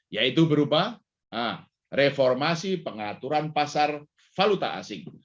yaitu berupa reformasi pengaturan pasar valuta asing